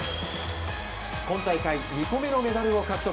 今大会２個目のメダルを獲得。